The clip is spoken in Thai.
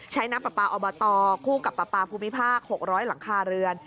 น้ำปลาปลาอบตคู่กับปลาปลาภูมิภาค๖๐๐หลังคาเรือน